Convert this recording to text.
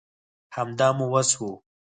همدا مو وس وو